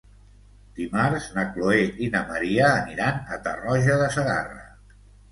Dimarts na Chloé i na Maria aniran a Tarroja de Segarra.